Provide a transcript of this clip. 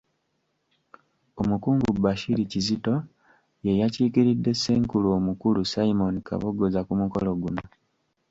Omukungu Bashir Kizito ye yakiikiridde Ssenkulu omukulu Simon Kabogoza ku mukolo guno.